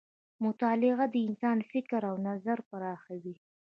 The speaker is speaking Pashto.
مطالعه د انسان فکر او نظر پراخوي.